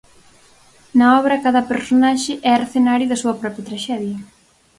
Na obra cada personaxe é escenario da súa propia traxedia.